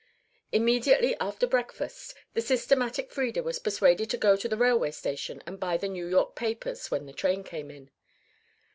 Immediately after breakfast, the systematic Frieda was persuaded to go to the railway station and buy the New York papers when the train came in.